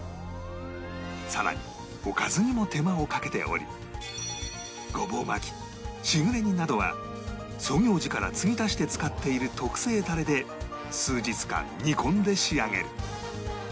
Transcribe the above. さらにおかずにも手間をかけておりごぼう巻きしぐれ煮などは創業時からつぎ足して使っている特製タレで数日間煮込んで仕上げる